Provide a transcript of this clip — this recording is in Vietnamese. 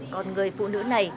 còn người phụ nữ này